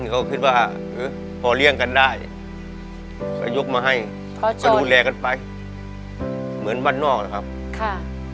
เขาคิดว่าพอเลี่ยงกันได้ก็ยกมาให้ก็ดูแลกันไปเหมือนบ้านนอกนะครับค่ะ